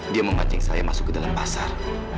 dia memancing saya masuk ke dalam pasar